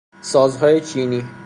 سازهای چینی